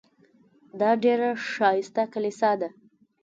دا ډېره ښایسته کلیسا ده.